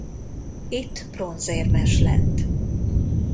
Itt bronzérmes lett.